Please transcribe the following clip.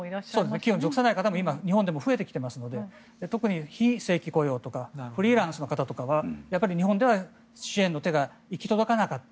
企業に属さない方も今日本でも増えてきていますので特に非正規雇用とかフリーランスの方はやっぱり日本では支援の手が行き届かなかった。